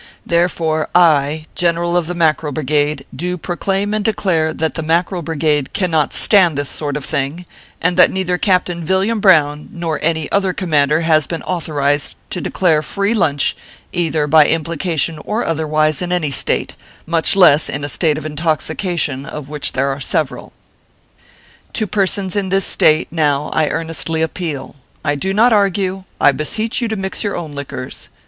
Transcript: Therefore, I 7 Gen eral of the Mackerel Brigade, do proclaim and declare that the Mackerel Brigade cannot stand this sort of ORPHEUS C. KERR PAPERS. 325 thing, and that neither Captain Villiam Brown nor any other commander has been authorized to declare free lunch, either by implication or otherwise, in any State : much less in a state of intoxication, of which there are several. " To persons in this State, now, I earnestly appeal. I do not argue : I beseech you to mix your own liquors.